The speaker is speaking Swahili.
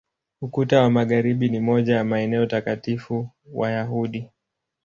Ukuta wa Magharibi ni moja ya maeneo takatifu Wayahudi.